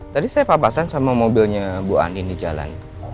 tadi saya papasan sama mobilnya bu andin di jalan